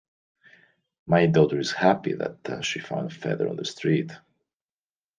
My daughter is happy that she found a feather on the street.